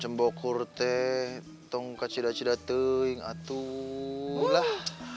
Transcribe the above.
kau kecewa tapi tidak bisa berhenti